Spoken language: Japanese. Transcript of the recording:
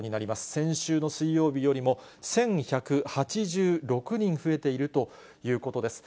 先週の水曜日よりも１１８６人増えているということです。